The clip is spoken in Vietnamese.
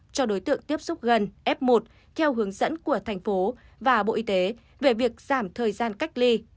cho đối tượng tiếp xúc gần f một theo hướng dẫn của thành phố và bộ y tế về việc giảm thời gian cách ly